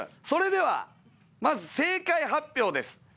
それではまず正解発表です